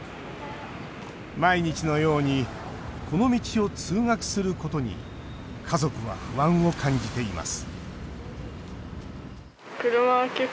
毎日のようにこの道を通学することに家族は不安を感じています